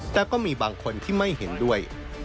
แต่ก็มีบางคนที่ไม่เห็นด้วย